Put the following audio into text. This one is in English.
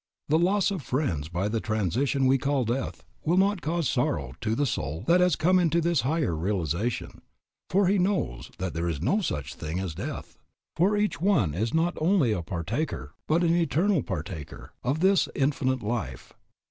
The loss of friends by the transition we call death will not cause sorrow to the soul that has come into this higher realization, for he knows that there is no such thing as death, for each one is not only a partaker, but an eternal partaker, of this Infinite Life.